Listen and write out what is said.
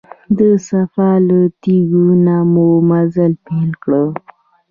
د صفا له تیږو نه مو مزل پیل کړ.